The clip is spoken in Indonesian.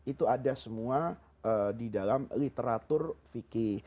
itu ada semua di dalam literatur fikih